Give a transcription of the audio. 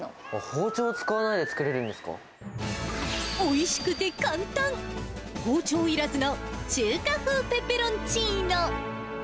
包丁を使わないで作れるんでおいしくて簡単、包丁いらずの中華風ペペロンチーノ。